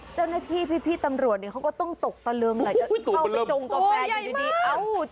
เจ้าหน้าที่พี่ตำรวจเนี่ยเขาก็ต้องตกตะเริงแหละจะเข้าไปจงกาแฟอยู่ดีเอ้า